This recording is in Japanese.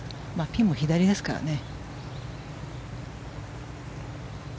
ピンも左ですからね。